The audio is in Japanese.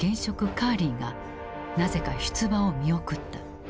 カーリーがなぜか出馬を見送った。